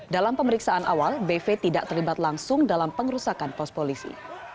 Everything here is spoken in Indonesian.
dalam pemeriksaan awal bv tidak terlibat langsung dalam pengerusakan pos polisi